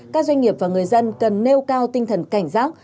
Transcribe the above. các doanh nghiệp và người dân cần nêu cao tinh thần cảnh giác